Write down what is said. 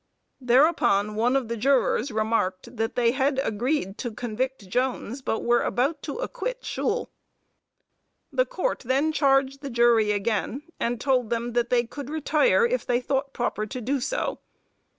Thereupon, one of the jurors remarked that they had agreed to convict Jones, but were about to acquit Shule. The Court then charged the jury again, and told them that they could retire if they thought proper to do so.